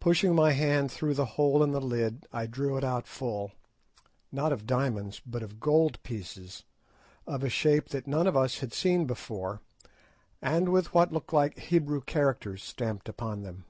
Pushing my hand through the hole in the lid I drew it out full, not of diamonds, but of gold pieces, of a shape that none of us had seen before, and with what looked like Hebrew characters stamped upon them.